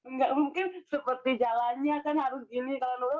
nggak mungkin seperti jalannya kan harus gini